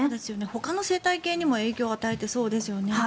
ほかの生態系にも影響を与えていそうですよね。